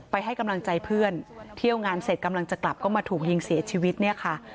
ให้กำลังใจเพื่อนเที่ยวงานเสร็จกำลังจะกลับก็มาถูกยิงเสียชีวิตเนี่ยค่ะ